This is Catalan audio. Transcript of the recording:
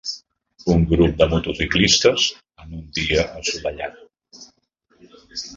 Un grup de motociclistes en un dia assolellat.